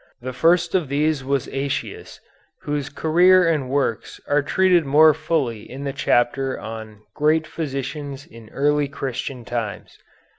The first of these was Aëtius, whose career and works are treated more fully in the chapter on "Great Physicians in Early Christian Times."